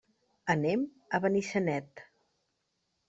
Anem a Benissanet.